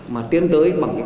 mà tiến tới bằng công nghiệp